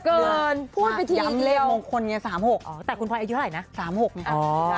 พูดไปทีเดียวย้ำเลขมงคลเนี่ย๓๖แต่คุณควายอายุเท่าไหร่นะ๓๖มั้ยครับ